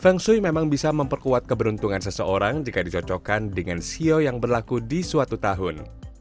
feng shui memang bisa memperkuat keberuntungan seseorang jika dicocokkan dengan sio yang berlaku di suatu tahun